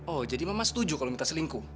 oh jadi mama setuju kalau mita selingkuh